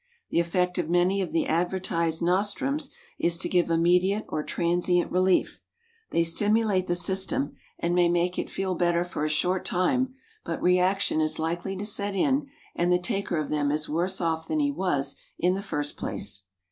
The effect of many of the advertised nostrums is to give immediate or transient relief. They stimulate the system, and may make it feel better for a short time, but re action is likely to set in, and the taker of them is worse off than he was in the first place.